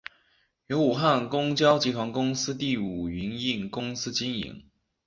由武汉公交集团公司第五营运公司经营。